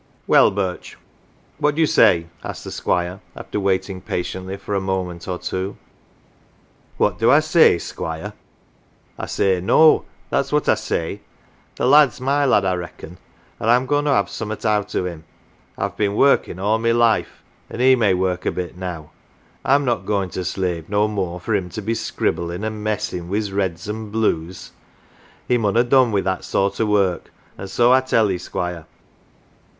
" Well, Birch, what do you say ?" asked the Squire, after waiting patiently for a moment or two. " What do I say, Squire ? I say no that's what I say. The lad's my lad I reckon, and Fin going to have summat out of him. Fve been workin' all my life an' he may work a bit now. I'm not goin' to slave no more for him to be scribblin' an' messin' wi' 's reds an' blues. He mun ha' done wi' that sort o' work, an' so I tell 'ee, Squire.